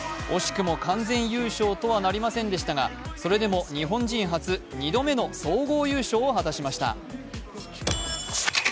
惜しくも完全優勝とはなりませんでしたが、それでも日本人初２度目の総合優勝を果たしました。